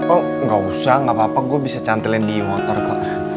oh gak usah gak apa apa gue bisa cantelin di motor kok